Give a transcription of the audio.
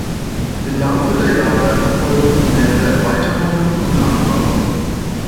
Im Laufe der Jahre erfolgten mehrere Erweiterungen und Anbauten.